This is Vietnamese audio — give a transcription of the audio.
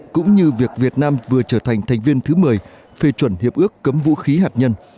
cũng như việc việt nam vừa trở thành thành viên thứ một mươi phê chuẩn hiệp ước cấm vũ khí hạt nhân